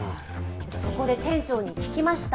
そこで店長に聞きました。